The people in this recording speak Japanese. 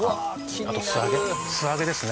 あと素揚げ素揚げですね